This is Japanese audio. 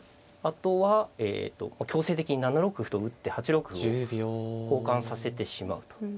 あとは強制的に７六歩と打って８六歩を交換させてしまうと。